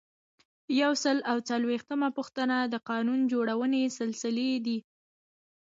یو سل او څلویښتمه پوښتنه د قانون جوړونې سلسلې دي.